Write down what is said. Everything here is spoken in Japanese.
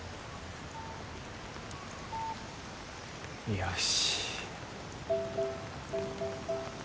よし。